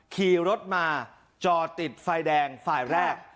ขี่รถมาจอดติดไฟแดงฝ่ายแรก